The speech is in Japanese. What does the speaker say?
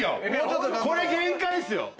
これ限界っすよ。